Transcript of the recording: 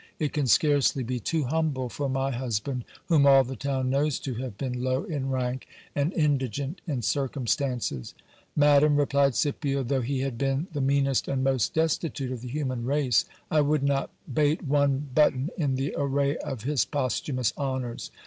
It can scarcely be too humble for my husband, whom all the town knows to have been low in rank, ani indigent in circumstances. Madam, replied Scipio, though he had been the meanest and most destitute of the human race, I would not bate one button in the array of his posthumous honours.